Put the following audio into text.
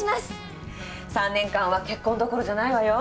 ３年間は結婚どころじゃないわよ。